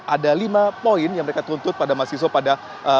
ada lima poin yang mereka tuntut pada mahasiswa pada